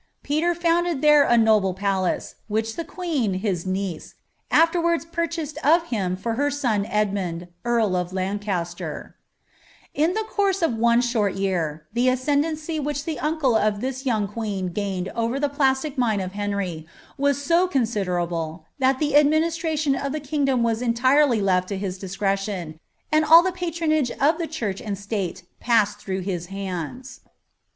Peter founded there a noble pnloce, which the queen, hi* niMti afterwords jntrchased of him fur her soti Edmund, earl of Loncaslac ' In the course of one short year, the ascendancy which the nnde of hie young queen guined over tlie plastic ntuul of Henry was so cob» dendile, Uiat the adminiairation of the kingdom was entirely left in ha discretion, and all the patronage of rhureh and slate puaeil ihruugb ba huids.